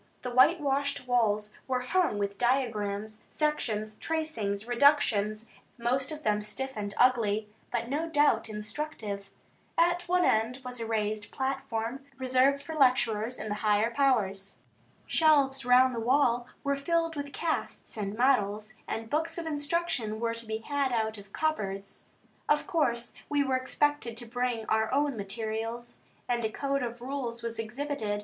The whitewashed walls were hung with diagrams, sections, tracings, reductions, most of them stiff and ugly, but no doubt instructive. At one end was a raised platform, reserved for lecturers and the higher powers. Shelves round the wall were filled with casts and models, and books of instruction were to be had out of cupboards. Of course we were expected to bring our own materials, and a code of rules was exhibited.